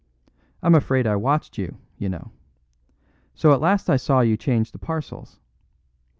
I'm afraid I watched you, you know. So at last I saw you change the parcels.